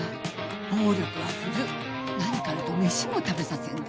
暴力は振るう何かあると飯も食べさせんで。